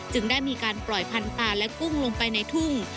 ได้มีการปล่อยพันธุ์ปลาและกุ้งลงไปในทุ่ง